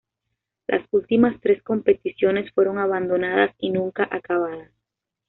Las últimas tres competiciones fueron abandonadas y nunca acabadas.